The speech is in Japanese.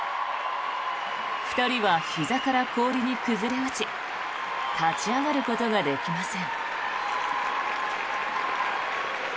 ２人はひざから氷に崩れ落ち立ち上がることができません。